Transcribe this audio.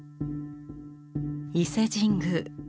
伊勢神宮